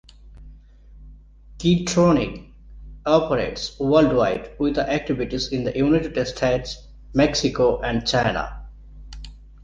Key Tronic operates worldwide with activities in the United States, Mexico, and China.